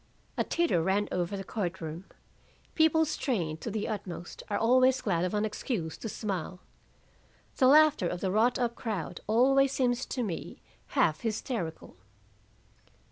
A titter ran over the court room. People strained to the utmost are always glad of an excuse to smile. The laughter of a wrought up crowd always seems to me half hysterical.